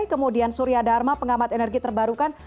kemudian surya dharma pengamat energi terbarukan